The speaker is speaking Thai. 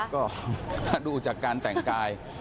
ก็ถ้าดูจากการแต่งกาย